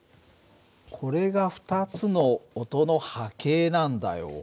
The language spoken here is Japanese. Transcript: これが２つの音の波形なんだよ。